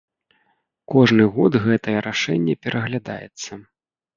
Кожны год гэтае рашэнне пераглядаецца.